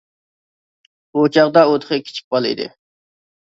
ئۇ چاغدا ئۇ تېخى كىچىك بالا ئىدى.